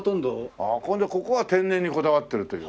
ああここは天然にこだわってるという。